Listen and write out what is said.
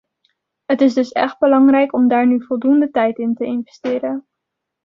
Het is dus echt belangrijk om daar nu voldoende tijd in te investeren.